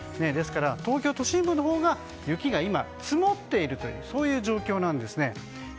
ですから、東京都心部のほうが雪が積もっているというそういう状況なんですね。